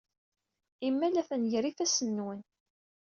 Imal atan gar yifassen-nwen.